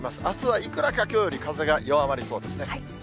あすはいくらかきょうより風が弱まりそうですね。